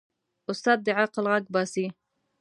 استاد د عقل غږ باسي.